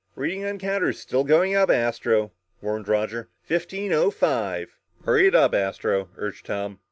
"Reading on the counter still's going up, Astro," warned Roger. "Fifteen O five." "Hurry it up, Astro," urged Tom.